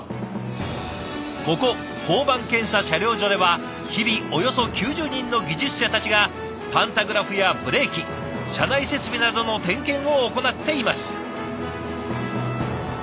ここ交番検査車両所では日々およそ９０人の技術者たちがパンタグラフやブレーキ車内設備などの点検を行っています。